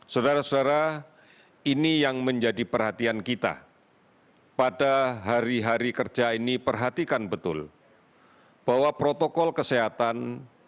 saudara saudara ini yang menjadi perhatian kita pada hari hari kerja ini perhatikan betul bahwa protokol kesehatan